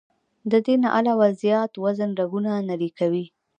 د دې نه علاوه زيات وزن رګونه نري کوي